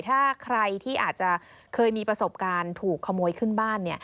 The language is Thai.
ถ้าใครที่อาจจะเคยมีประสบการณ์ถูกขโมยขึ้นบ้าน